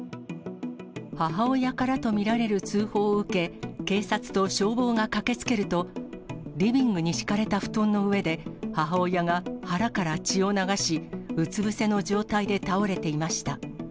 母親からと見られる通報を受け、警察と消防が駆けつけると、リビングに敷かれた布団の上で、母親が腹から血を流し、うつ伏せの状態で倒れていました。